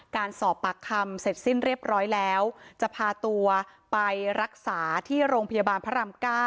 การสอบปากคำเสร็จสิ้นเรียบร้อยแล้วจะพาตัวไปรักษาที่โรงพยาบาลพระราม๙